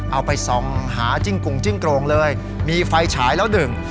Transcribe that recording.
เอาไปส่องหาจิ้งกุ่งจิ้งโกรงเลยมีไฟฉายแล้วหนึ่ง